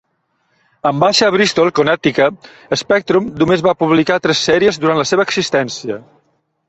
Amb base a Bristol, Connecticut, Spectrum només va publicar tres sèries durant la seva existència.